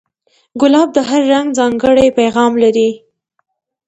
ګلاب د هر رنگ ځانګړی پیغام لري.